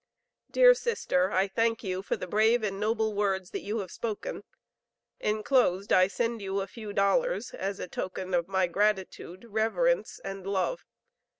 Dear sister, I thank you for the brave and noble words that you have spoken. Enclosed I send you a few dollars as a token of my gratitude, reverence and love.